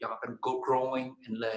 yang akan berkembang dan belajar